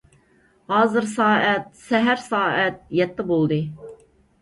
ھازىر سائەت سەھەر سائەت يەتتە بولدى.